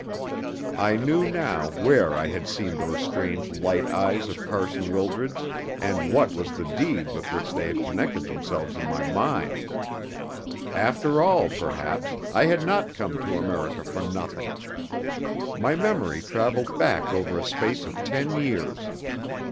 I knew now where I had seen those strange light eyes of Carson Wildred's, and what was the deed with which they had connected themselves in my mind. After all, perhaps, I had not come to America for nothing! My memory travelled back over a space of ten years.